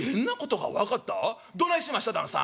どないしました？旦さん」。